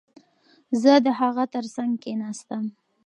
زه د هغه ترڅنګ کښېناستم.